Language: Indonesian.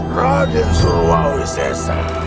raden suruawi sesa